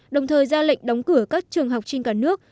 đồng thời ra lệnh đóng cửa các trường học trên cả nước